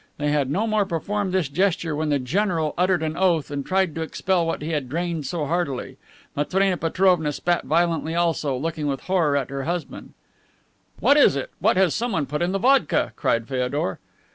They had no more than performed this gesture when the general uttered an oath and tried to expel what he had drained so heartily. Matrena Petrovna spat violently also, looking with horror at her husband. "What is it? What has someone put in the vodka?" cried Feodor.